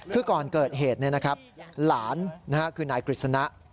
คือก่อนเกิดเหตุหลานคือนายกฤษณะ